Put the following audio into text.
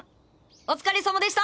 お疲れさまでした！